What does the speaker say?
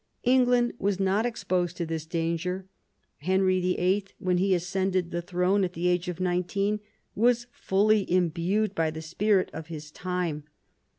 Eng land was not exposed to this danger. Henry VIIL, when he ascended the throne at the age of nineteen, was fully imbued by the spirit of his time.